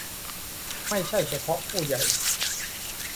ไม่ใช่เฉพาะผู้ใหญ่